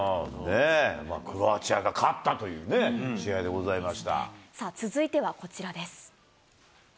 クロアチアが勝ったというね、さあ、続いてはこちらです。